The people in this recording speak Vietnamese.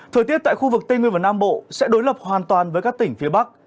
thời tiết tại khu vực tây nguyên và nam bộ sẽ đối lập hoàn toàn với các tỉnh phía bắc